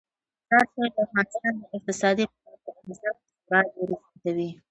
مزارشریف د افغانستان د اقتصادي منابعو ارزښت خورا ډیر زیاتوي.